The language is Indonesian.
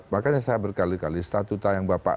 makanya saya berkali kali statuta yang bapak